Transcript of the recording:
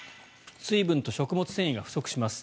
水分と食物繊維が不足します。